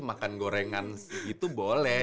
makan gorengan itu boleh